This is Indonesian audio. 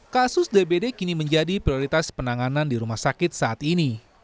kasus dbd kini menjadi prioritas penanganan di rumah sakit saat ini